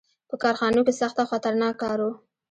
• په کارخانو کې سخت او خطرناک کار و.